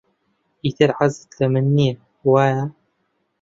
ئیتر حەزت لە من نییە، وایە؟